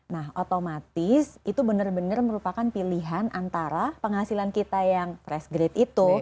nah otomatis itu bener bener merupakan pilihan antara penghasilan kita yang fresh grade itu